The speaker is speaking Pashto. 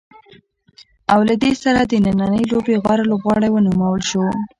او له دې سره د نننۍ لوبې غوره لوبغاړی ونومول شو.